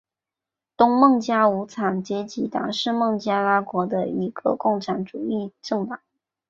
东孟加拉无产阶级党是孟加拉国的一个共产主义政党。